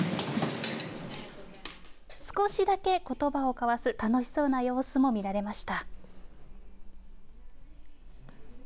少しだけことばを交わす楽しそうな様子も見られました。